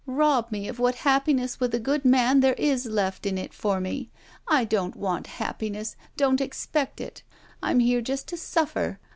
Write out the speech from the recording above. Rob me of what happi ness with a good man there is left in it for me. I don't want happiness. Don't expect it. I'm here just to suflfer.